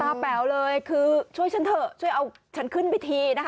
แป๋วเลยคือช่วยฉันเถอะช่วยเอาฉันขึ้นพิธีนะคะ